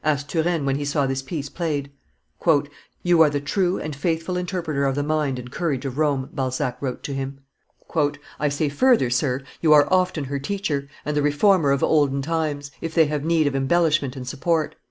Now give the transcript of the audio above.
asked Turenne when he saw this piece played. "You are the true and faithful interpreter of the mind and courage of Rome," Balzac wrote to him; "I say further, sir, you are often her teacher, and the reformer of olden times, if they have need of embellishment and support.